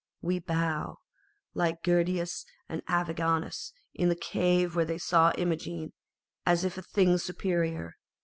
We bow, like Guiderius and Arviragus in the cave when they saw Imogen, as to a thing superior.